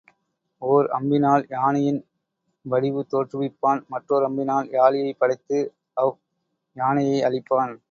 ஓர் அம்பினால் யானையின் வடிவு தோற்றுவிப்பான் மற்றோர் அம்பினால் யாளியைப் படைத்து அவ் யானையை அழிப்பான்.